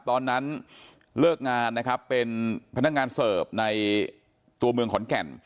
ตอนนั้นเลิกงานนะครับเป็นพนักงานเสิร์ฟในตัวเมืองขอนแก่น